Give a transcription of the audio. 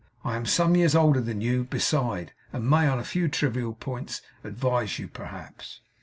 I am some years older than you, besides; and may, on a few trivial points, advise you, perhaps.